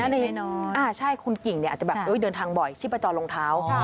นั่นนี่คุณกิ่งอาจจะเดินทางบ่อยชิบประจองรองเท้า